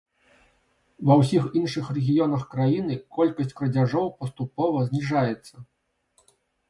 Ва ўсіх іншых рэгіёнах краіны колькасць крадзяжоў паступова зніжаецца.